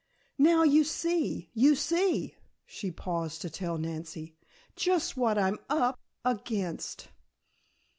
"Now you see, you see," she paused to tell Nancy, "just what I'm up against!"